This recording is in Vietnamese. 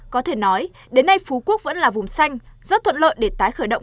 có thể nói đến nay phú quốc vẫn là vùng xanh rất thuận lợi để tái khởi động